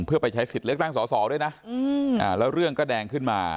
เพื่อไปใช้สิทธิ์เลือกตั้งสอสอด้วยนะแล้วเรื่องก็แดงขึ้นมา